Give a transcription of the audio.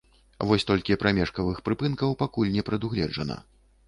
Вось толькі прамежкавых прыпынкаў пакуль не прадугледжана.